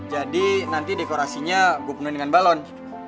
jadi nanti dekorasinya gue penuhi dengan balon